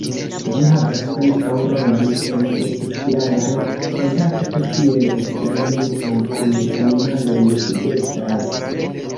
Ĝi havas ankaŭ rolon en socialaj kontakto, kiel eksperimentoj kun animaloj sugestas.